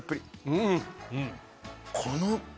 うん。